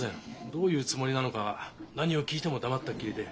どういうつもりなのか何を聞いても黙ったっきりで。